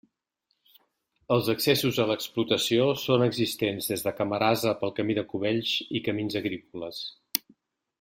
Els accessos a l'explotació són existents des de Camarasa pel camí de Cubells i camins agrícoles.